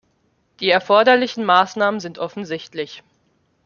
Die erforderlichen Maßnahmen sind offensichtlich.